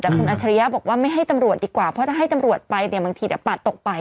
แต่คุณอัชริยะบอกว่าไม่ให้ตำรวจดีกว่าเพราะถ้าให้ตำรวจไปเนี่ยบางทีปาดตกไป